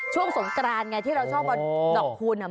ช่วงสงกรานไงที่เราชอบเอาดอกคูณ